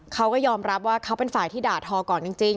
เขาก็ยอมรับว่าเขาเป็นฝ่ายที่ด่าทอก่อนจริง